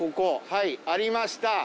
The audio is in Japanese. はいありました。